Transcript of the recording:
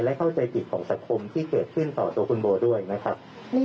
และเข้าใจผิดของสังคมที่เกิดขึ้นต่อตัวคุณโบด้วยนะครับ